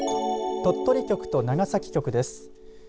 鳥取局と長崎局です。